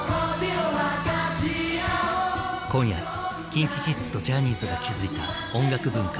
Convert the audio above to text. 今夜ＫｉｎＫｉＫｉｄｓとジャニーズが築いた音楽文化